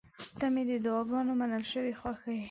• ته مې د دعاګانو منل شوې خوښه یې.